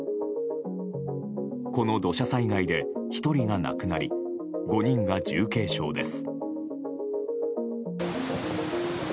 この土砂災害で１人が亡くなり５人が重軽傷です。